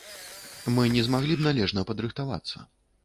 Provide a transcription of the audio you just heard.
Мы не змаглі б належна падрыхтавацца.